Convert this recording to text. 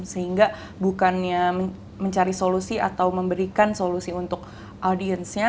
sehingga bukannya mencari solusi atau memberikan solusi untuk audiensnya